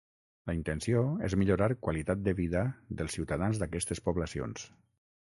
La intenció és millorar qualitat de vida dels ciutadans d’aquestes poblacions.